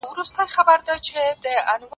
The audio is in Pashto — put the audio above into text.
ورک به مي غزل سي جهاني په شهبازونو کي